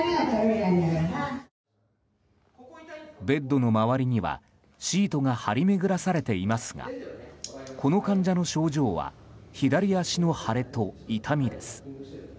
ベッドの周りにはシートが張り巡らされていますがこの患者の症状は左足の腫れと痛みです。